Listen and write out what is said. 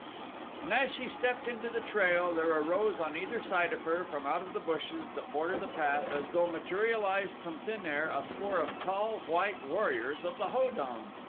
And as she stepped into the trail there arose on either side of her from out of the bushes that border the path, as though materialized from thin air, a score of tall, white warriors of the Ho don.